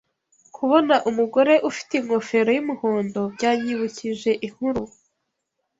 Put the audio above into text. Kubona umugore ufite ingofero yumuhondo byanyibukije inkuru.